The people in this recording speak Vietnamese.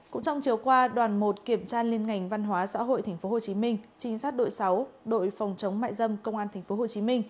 cũng trong chiều qua đoàn một kiểm tra liên ngành văn hóa xã hội tp hcm trinh sát đội sáu đội phòng chống mại dâm công an tp hcm